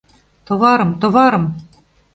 Товарым, товарым!..